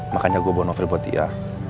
makanya gue bawa novel buat dia